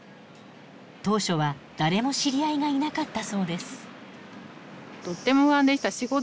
当初は誰も知り合いがいなかったそうです。